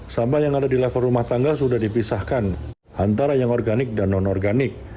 sampah yang ada di level rumah tangga sudah dipisahkan antara yang organik dan non organik